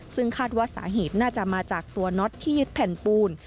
ซึ่งคาดว่าสาเหตุน่าจะมาจากตัวน็อตที่ยึดแผ่นปูน